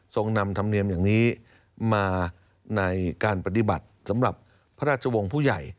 นำธรรมเนียมอย่างนี้มาในการปฏิบัติสำหรับพระราชวงศ์ผู้ใหญ่